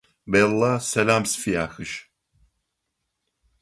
Бэллэ сэлам сфяхыжь.